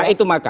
nah itu makanya